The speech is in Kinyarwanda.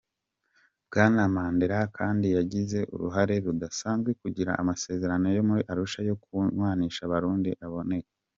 Bwana Mandela kandi yagize uruhara rudasanzwe kugira amasezerano ya Arusha yo kunywanisha Abarundi aboneke.